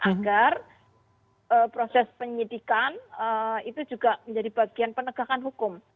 agar proses penyidikan itu juga menjadi bagian penegakan hukum